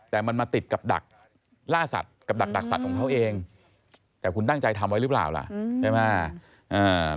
แต่มันมาติดกับดักล่าสัตว์กับดักสัตว์ของเขาเองแต่คุณตั้งใจทำไว้หรือเปล่าล่ะใช่ไหม